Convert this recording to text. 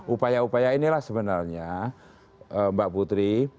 upaya upaya inilah sebenarnya mbak putri